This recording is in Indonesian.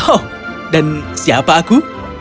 oh dan siapa aku